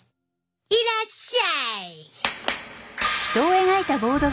いらっしゃい！